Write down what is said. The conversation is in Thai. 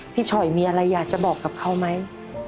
ฉ่อยมีอะไรอยากจะบอกกับเขาไหม